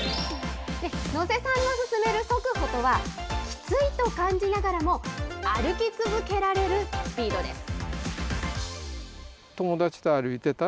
能勢さんの勧める速歩とは、きついと感じながらも歩き続けられるスピードです。